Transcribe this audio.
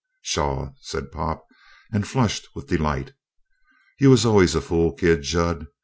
"Pshaw!" said Pop, and flushed with delight. "You was always a fool kid, Jud.